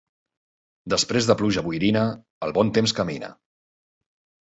Després de pluja boirina, el bon temps camina.